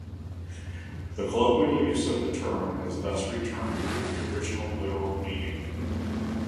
The colloquial use of the term has thus returned to the original literal meaning.